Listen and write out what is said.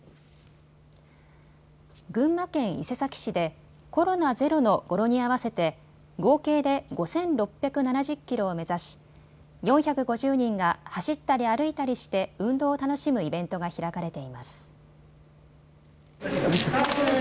群馬県伊勢崎市でコロナゼロの語呂に合わせて合計で５６７０キロを目指し４５０人が走ったり歩いたりして運動を楽しむイベントが開かれています。